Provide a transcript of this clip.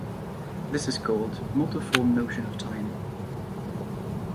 This is called multiform notion of time.